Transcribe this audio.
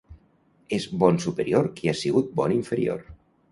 És bon superior qui ha sigut bon inferior.